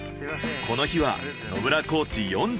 この日は野村コーチ